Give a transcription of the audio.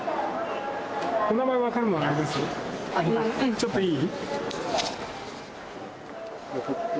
ちょっといい？